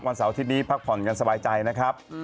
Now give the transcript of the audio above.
วันเสาร์ที่นี้พักผ่อนกันสบายใจนะครับ